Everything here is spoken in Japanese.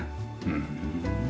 うん。